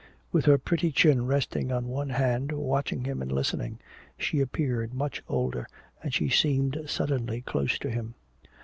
With her pretty chin resting on one hand, watching him and listening, she appeared much older, and she seemed suddenly close to him.